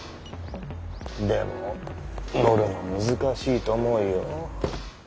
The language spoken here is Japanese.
でも乗るの難しいと思うよ？